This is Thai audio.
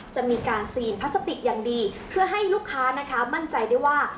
จะมีการซีนพลาสติกอย่างดีเพื่อให้ลูกค้านะคะมั่นใจได้ว่า